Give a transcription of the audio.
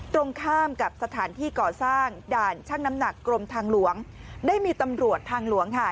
ตรงข้ามกับสถานที่ก่อสร้างด่านช่างน้ำหนักกรมทางหลวงได้มีตำรวจทางหลวงค่ะ